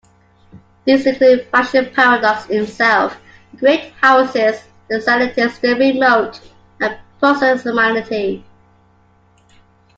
These include Faction Paradox itself, the Great Houses, the Celestis, the Remote, and Posthumanity.